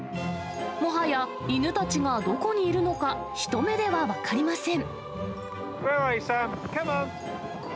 もはや犬たちがどこにいるのか、一目では分かりません。